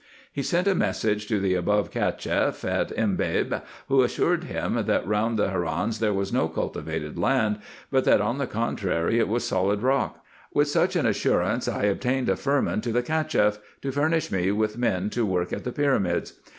He sent a message to the above Cacheff at Embabe, who assured him, that round the harrans there was no cultivated land, but that on the contrary it was solid rock. With such an assurance I obtained a firman to the Cacheff, to furnish me with men to work at the pyramids.